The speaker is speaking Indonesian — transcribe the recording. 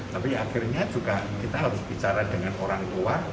tapi akhirnya juga kita harus bicara dengan orang tua